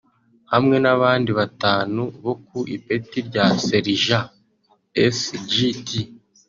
hamwe n’abandi batanu bo ku ipeti rya Serija (Sgt)